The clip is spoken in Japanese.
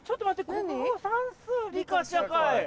国語算数理科社会。